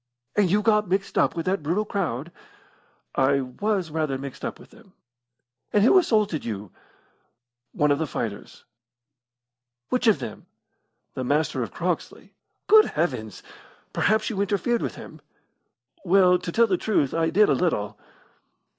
"And you got mixed up with that brutal crowd?" "I was rather mixed up with them." "And who assaulted you?" "One of the fighters." "Which of them?" "The Master of Croxley." "Good Heavens! Perhaps you interfered with him?" "Well, to tell the truth, I did a little."